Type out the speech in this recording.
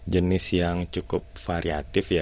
jenis yang cukup variatif